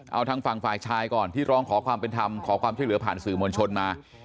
เอาทางฝั่งฝ่ายชายก่อนที่ร้องขอความเป็นธรรมขอความช่วยเหลือผ่านสื่อมวลชนมา